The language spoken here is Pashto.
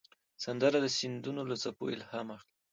سندره د سیندونو له څپو الهام اخلي